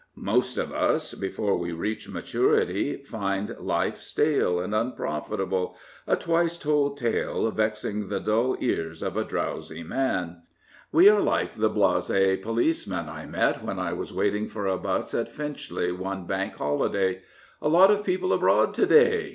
Most of us, before we reach maturity, find life stale and unprofitable —" a twice told tale vexing the dull ears of a drowsy man." We are like the blas^ policeman I met when I was waiting for a 'bus at Finchley one Bank Holiday. " A lot of people abroad to day?